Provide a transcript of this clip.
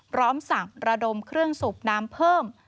พร้อมสั่งระดมเครื่องสูบน้ำเพิ่ม